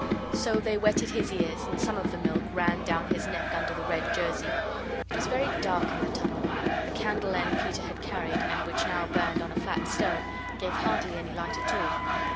So they wetted his ears, and some of the milk ran down his neck under the red jersey. It was very dark in the tunnel. The candle end Peter had carried, and which now burned on a flat stone, gave hardly any light at all.